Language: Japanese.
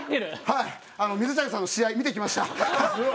はい、水谷さんの試合、見てきました。